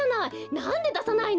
なんでださないの？